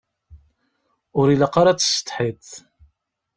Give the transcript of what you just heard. Ur ilaq ara ad tessetḥiḍ.